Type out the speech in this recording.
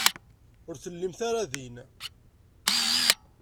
Ur tellimt ara din.